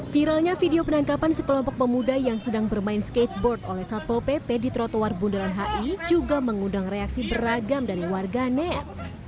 viralnya video penangkapan sekelompok pemuda yang sedang bermain skateboard oleh satpol pp di trotoar bundaran hi juga mengundang reaksi beragam dari warga net